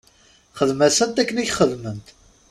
Xdem-asent akken i k-xedment.